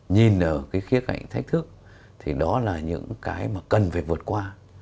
nhìn ở cái khía cạnh thách thức thì đó là những cái mà cần phải vượt qua